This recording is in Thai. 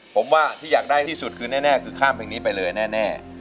ผมว่าที่อยากได้ที่สุดคือแน่คือข้ามเพลงนี้ไปเลยแน่